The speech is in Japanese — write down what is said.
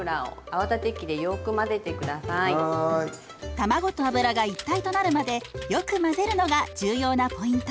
卵と油が一体となるまでよく混ぜるのが重要なポイント。